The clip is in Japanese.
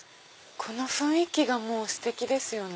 この雰囲気がステキですよね。